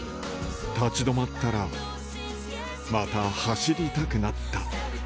立ち止まったら、また走りたくなった。